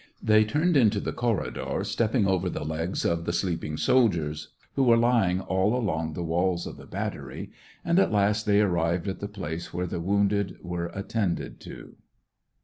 They turned into the corridor, stepping over the legs of the sleeping soldiers, who were lying all along the walls of the battery, and at last they arrived at the place where the wounded were attended to.